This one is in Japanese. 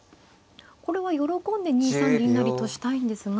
これは喜んで２三銀成としたいんですが。